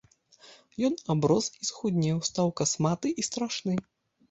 Ён аброс і схуднеў, стаў касматы і страшны.